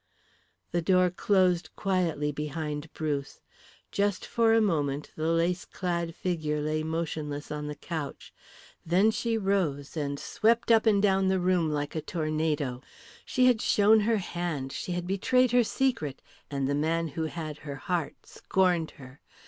The door closed quietly behind Bruce. Just for a moment the lace clad figure lay motionless on the couch. Then she rose and swept up and down the room like a tornado. She had shown her hand, she had betrayed her secret, and the man who had her heart scorned her.